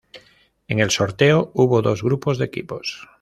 En el sorteo hubo dos grupos de equipos.